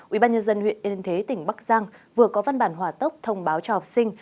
ubnd huyện yên thế tỉnh bắc giang vừa có văn bản hòa tốc thông báo cho học sinh